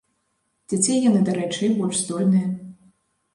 Дзяцей, яны, дарэчы, і больш здольныя.